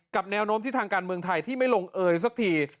แนวโน้มที่ทางการเมืองไทยที่ไม่ลงเอยสักที